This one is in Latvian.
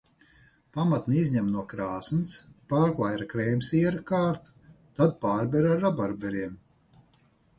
Pamatni izņem no krāsns, pārklāj ar krēmsiera kārtu, tad pārber ar rabarberiem.